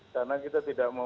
karena kita tidak memiliki